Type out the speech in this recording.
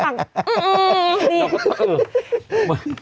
เอาอีก